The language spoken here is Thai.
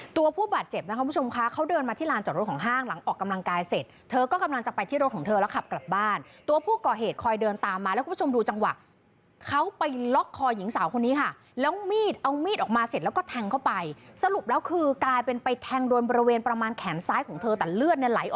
ตัวผู้บาดเจ็บนะคะคุณผู้ชมคะเขาเดินมาที่ลานจอดรถของห้างหลังออกกำลังกายเสร็จเธอก็กำลังจะไปที่รถของเธอแล้วขับกลับบ้านตัวผู้ก่อเหตุคอยเดินตามมาแล้วคุณผู้ชมดูจังหวะเขาไปล็อกคอหญิงสาวคนนี้ค่ะแล้วมีดเอามีดออกมาเสร็จแล้วก็แทงเข้าไปสรุปแล้วคือกลายเป็นไปแทงโดนบริเวณประมาณแขนซ้ายของเธอแต่เลือดเนี่ยไหล